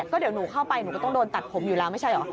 ก็เดี๋ยวหนูเข้าไปหนูก็ต้องโดนตัดผมอยู่แล้วไม่ใช่เหรอ